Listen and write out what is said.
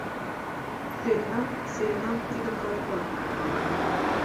Сӧренам, серенам тидым калыклан